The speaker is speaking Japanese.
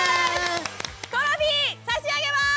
トロフィー差し上げます。